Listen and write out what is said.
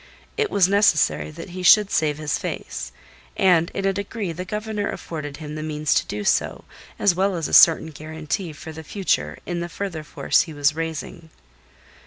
It was necessary that he should save his face, and in a degree the Governor afforded him the means to do so, as well as a certain guarantee for the future in the further force he was raising.